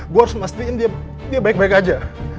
gue harus memastikan dia baik baik aja